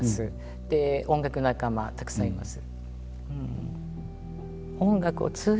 音楽仲間たくさんいます。